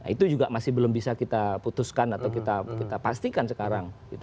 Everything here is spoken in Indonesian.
itu juga masih belum bisa kita putuskan atau kita pastikan sekarang